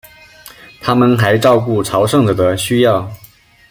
他们还照顾朝圣者的需要。